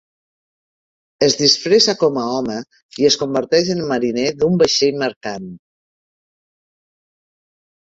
Es disfressa com a home i es converteix en mariner d'un vaixell mercant.